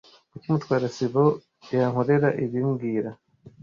Kuki Mutwara sibo yankorera ibi mbwira